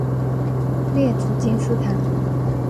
列兹金斯坦。